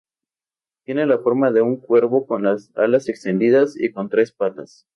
Tiene la forma de un cuervo con las alas extendidas y con tres patas.